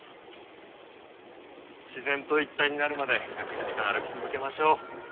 自然と一体になるまで１００日間歩き続けましょう。